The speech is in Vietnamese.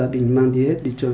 để mẩy liên lạc rủ quý